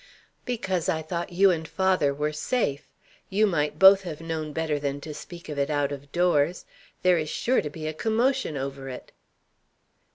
"Because I thought you and father were safe. You might both have known better than to speak of it out of doors. There is sure to be a commotion over it."